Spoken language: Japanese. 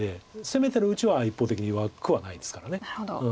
攻めてるうちは一方的に弱くはないですから。